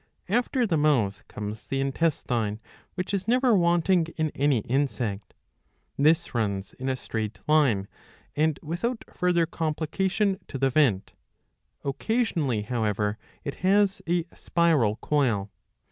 After the mouth comes the intestine, which is never wanting in any insect. This runs in a straight line and without further com plication to the vent ; occasionally, however, it has a spiral coil.